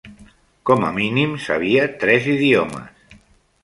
Com a mínim sabia tres idiomes.